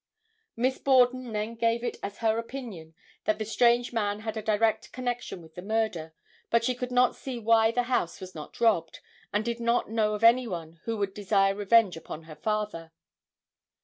"Miss Borden then gave it as her opinion that the strange man had a direct connection with the murder, but she could not see why the house was not robbed, and did not know of any one who would desire revenge upon her father.